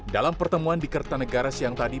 dalam pertemuan di kertanegaras yang tadi